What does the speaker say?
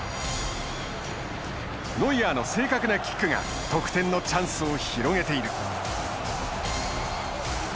ノイアーの正確なキックが得点のチャンスを広げている。